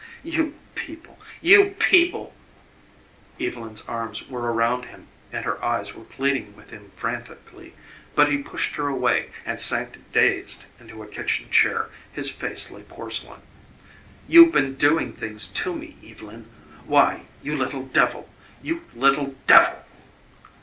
"You people you people " Evylyn's arms were around him and her eyes were pleading with him frantically, but he pushed her away and sank dazed into a kitchen chair, his face like porcelain. "You've been doing things to me, Evylyn. Why, you little devil! You little DEVIL!"